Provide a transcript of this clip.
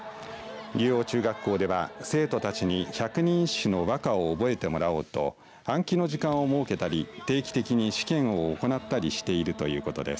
竜王中学校では生徒たちに百人一首の和歌を覚えてもらおうと暗記の時間を設けたり定期的に試験を行ったりしているということです。